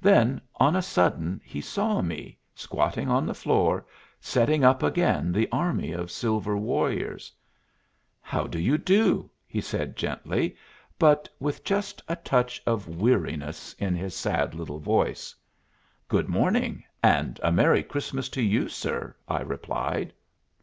Then, on a sudden, he saw me, squatting on the floor, setting up again the army of silver warriors. "How do you do?" he said gently, but with just a touch of weariness in his sad little voice. "Good morning, and a Merry Christmas to you, sir," I replied.